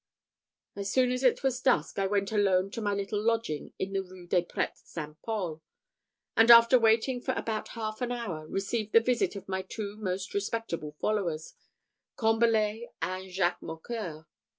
As soon as it was dusk, I went alone to my little lodging in the Rue des Prêtres St. Paul; and, after waiting for about half an hour, received the visit of my two most respectable followers, Combalet and Jacques Mocqueur.